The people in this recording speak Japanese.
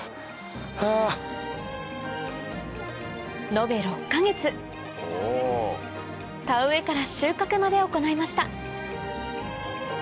延べ６か月田植えから収穫まで行いました